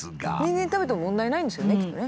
人間食べても問題ないんですよねきっとね。